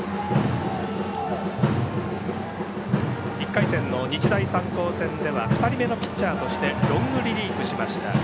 １回戦の日大三高戦では２人目のピッチャーとしてロングリリーフしました。